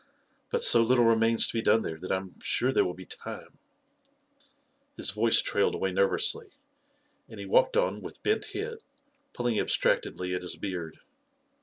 But so little remains to be done there, that I am sure there will be time ..." His voice trailed away nervously, and he walked on with bent head, pulling abstractedly at his beard.